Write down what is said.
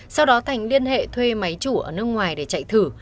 sau đó thành liên hệ thuê máy chủ ở nước ngoài để chạy thử